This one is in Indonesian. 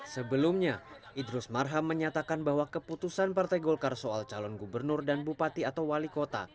sebelumnya idrus marham menyatakan bahwa keputusan partai golkar soal calon gubernur dan bupati atau wali kota